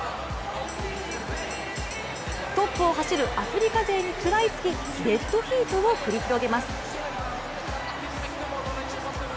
トップを走るアフリカ勢に食らいつきデッドヒートを繰り広げます。